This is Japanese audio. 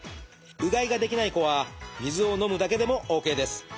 うがいができない子は水を飲むだけでもＯＫです。